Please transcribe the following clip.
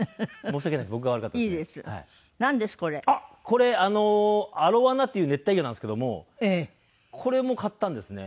これアロワナっていう熱帯魚なんですけどもこれも買ったんですね。